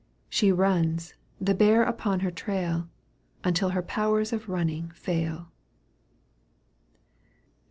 She runs, the bear upon her trail. Until her powers of running fail XV.